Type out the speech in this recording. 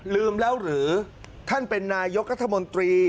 ลืมแล้วหรือท่านเป็นนายกรัฐมนตรี